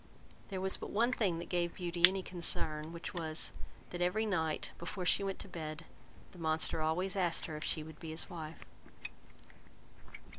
There was but one thing that gave Beauty any concern, which was, that every night, before she went to bed, the monster always asked her, if she would be his wife.